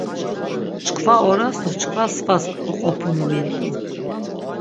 Çkva oras do çkva svas oqopumu mint̆u.